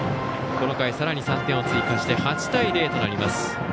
この回、さらに３点を追加して８対０となります。